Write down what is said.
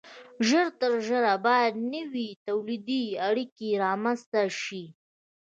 ژر تر ژره باید نوې تولیدي اړیکې رامنځته شي.